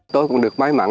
tôi cũng được may mắn